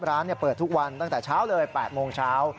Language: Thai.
ร้านเปิดทุกวันตั้งแต่๘๐๐โมงเช้า